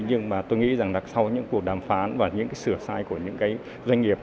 nhưng tôi nghĩ rằng sau những cuộc đàm phán và những sửa sai của những doanh nghiệp